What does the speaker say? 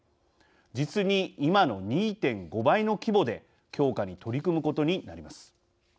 実に今の２．５倍の規模で強化に取り組むことになります。